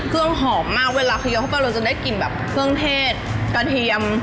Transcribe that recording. หอมมากเวลาเคี้ยวเข้าไปเราจะได้กลิ่นแบบเครื่องเทศกระเทียม